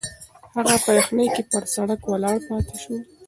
هغه په یخني کې پر سړک ولاړ پاتې شو.